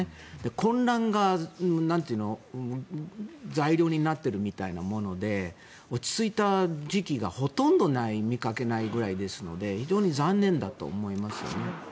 混乱が材料になっているみたいなもので落ち着いた時期がほとんどない見かけないぐらいですので非常に残念だと思いますね。